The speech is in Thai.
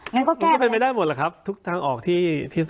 มันก็เป็นไปได้หมดแหละครับทุกทางออกที่